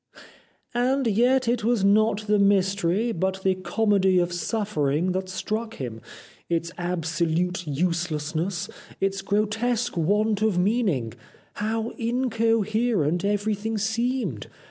" And yet it was not the mystery, but the comedy of suffering that struck him ; its ab solute uselessness, its grotesque want of meaning. How incoherent everything seemed